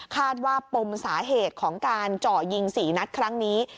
ว่าปมสาเหตุของการเจาะยิง๔นัดครั้งนี้